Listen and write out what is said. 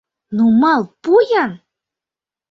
Нумал пу-ян!